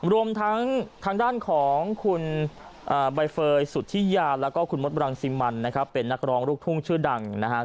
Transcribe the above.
รวมทั้งทางด้านของคุณใบเฟย์สุธิยาแล้วก็คุณมดบรังสิมันนะครับเป็นนักร้องลูกทุ่งชื่อดังนะครับ